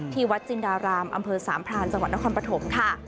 ที่วัดจินดารามอำเภอสามพรานจังหวัดนครปฐมค่ะ